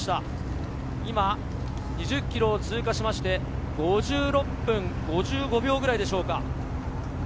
２０ｋｍを通過して、５６分５５秒くらいでしょうか。